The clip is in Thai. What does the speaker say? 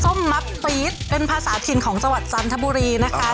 ส้มมั๊กปี๊สเป็นภาษาถิ่นของสวรรค์สรรทบุรีนะคะ